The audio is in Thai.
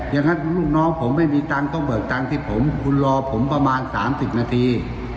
อย่างนั้นลูกน้องผมไม่มีตังค์ต้องเบิกตังค์ที่ผมคุณรอผมประมาณ๓๐นาที